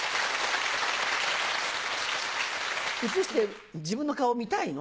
映して自分の顔見たいの？